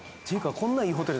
こんないいホテル